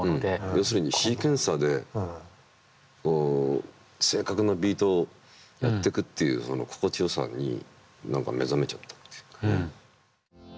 要するにシーケンサーで正確なビートをやってくっていうその心地よさに何か目覚めちゃったっていうかね。